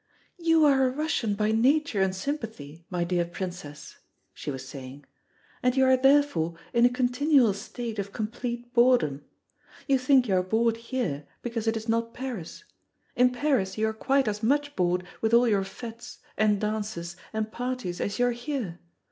"You are a Russian by nature and sympathy, my dear Princess," she was saying, "and you are therefore in a continual state of complete boredom. You think you are bored here, because it is not Paris; in Paris you are quite as much bored with all your fêtes, and dances, and parties as you are here.